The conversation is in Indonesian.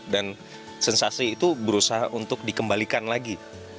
dan sensasi itu berusaha untuk dikembalikan lagi